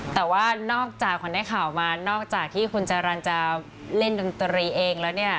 แต่ว่านอกจากขวัญได้ข่าวมานอกจากที่คุณจารันจะเล่นดนตรีเองแล้วเนี่ย